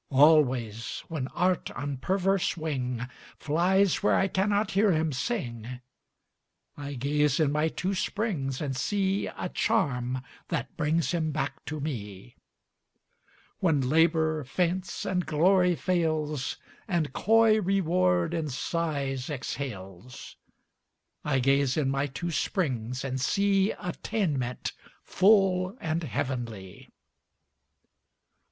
Always, when Art on perverse wing Flies where I cannot hear him sing, I gaze in my two springs and see A charm that brings him back to me. When Labor faints, and Glory fails, And coy Reward in sighs exhales, I gaze in my two springs and see Attainment full and heavenly.